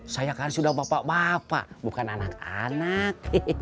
saya kan sudah bapak bapak bukan anak anak